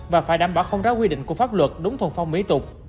và phải đảm bảo không ráo quy định của pháp luật đúng thuần phong mỹ tục